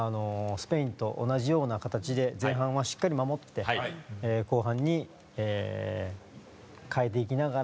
スペインと同じような形で前半はしっかり守って後半に代えていきながら。